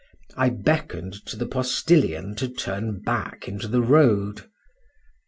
I beckoned to the postilion to turn back into the road.